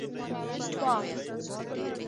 _پام!!!